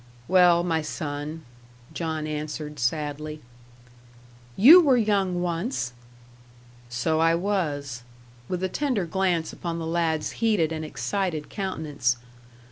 "Well, my son," John answered, sadly. "YOU were young once." "So I was;" with a tender glance upon the lad's heated and excited countenance.